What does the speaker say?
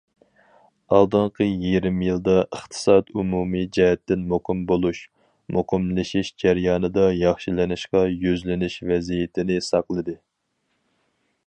ئالدىنقى يېرىم يىلدا ئىقتىساد ئومۇمىي جەھەتتىن مۇقىم بولۇش، مۇقىملىشىش جەريانىدا ياخشىلىنىشقا يۈزلىنىش ۋەزىيىتىنى ساقلىدى.